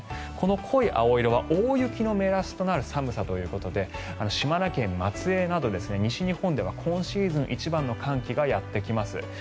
この濃い青色は大雪の目安となる寒さということで島根県松江など西日本では今シーズン一番の寒気がやってきます。